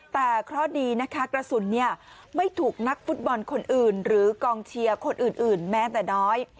แต่เคราะห์ดีนะคะกระสุนไม่ถูกนักฟุตบอลคนอื่นหรือกองเชียร์คนอื่นแม้แต่น้อย